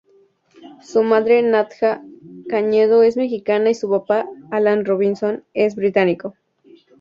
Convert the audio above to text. Su madre, Nadja Cañedo es mexicana y su papá, Alan Robinson es británico.